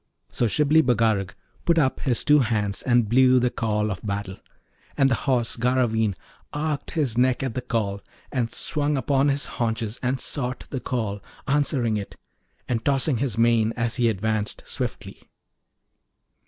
So Shibli Bagarag put up his two hands and blew the call of battle, and the Horse Garraveen arched his neck at the call, and swung upon his haunches, and sought the call, answering it, and tossing his mane as he advanced swiftly.